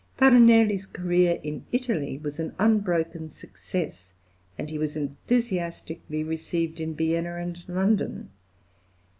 Farinelli's career in Italy was an unbroken success, and he was enthusiastically received in Vienna and London.